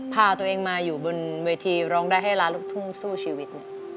พาตัวเองมาอยู่บนเวทีร้องได้ให้ล้านลูกทุ่งสู้ชีวิต